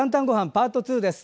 パート２です。